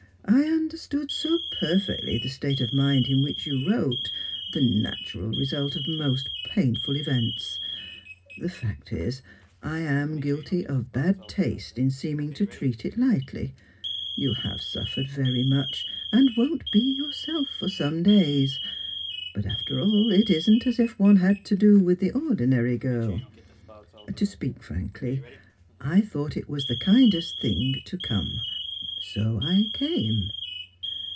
I understood so perfectly the state of mind in which you wrote the natural result of most painful events. The fact is, I am guilty of bad taste in seeming to treat it lightly; you have suffered very much, and won't be yourself for some days. But, after all, it isn't as if one had to do with the ordinary girl. To speak frankly I thought it was the kindest thing to come so I came."